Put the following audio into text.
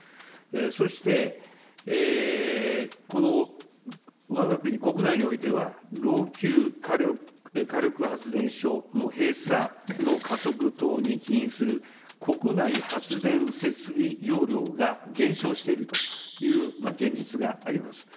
そして、わが国国内においては、老朽火力発電所の閉鎖の加速等に起因する国内発電設備容量が減少しているという現実があります。